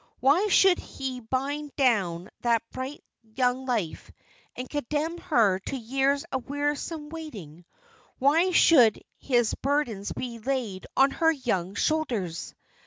Why should he bind down that bright young life, and condemn her to years of wearisome waiting? Why should his burdens be laid on her young shoulders?